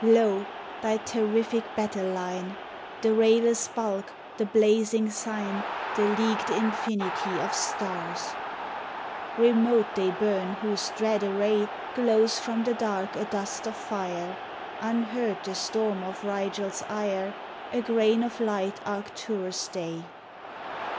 Lol thy terrific battle line The rayless bulk, the blazing Sign, The leagued infinity of stars I Remote they burn whose dread array Glows from the dark a dust of fire ; Unheard the storm of Rigel's ire, A grain of light Arcturus' day.